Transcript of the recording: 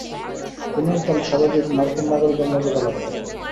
তিনি একজন স্বাভাবিক মার্কিন নাগরিকের মর্যাদা লাভ করেন।